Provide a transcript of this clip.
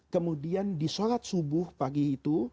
kemudian disolat subuh pagi itu